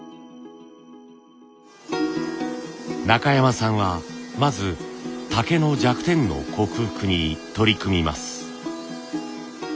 中山さんはまず竹の弱点の克服に取り組みます。